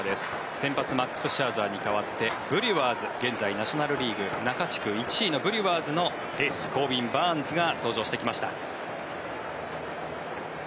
先発、マックス・シャーザーに代わって現在ナショナル・リーグ中地区１位のブリュワーズのエースコービン・バーンズが登場してきました。